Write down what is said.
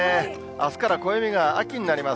あすから暦が秋になります。